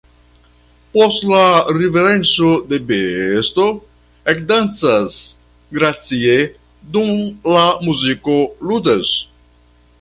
Post la riverenco la besto ekdancas gracie, dum la muziko ludas.